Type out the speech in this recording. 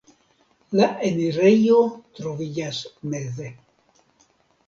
La enirejo troviĝas meze.